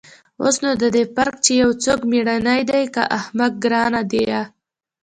اوس نو د دې فرق چې يو څوک مېړنى دى که احمق گران ديه.